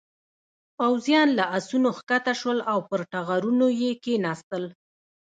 پوځيان له آسونو کښته شول او پر ټغرونو یې کېناستل.